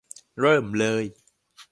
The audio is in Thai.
เริ่มเลย !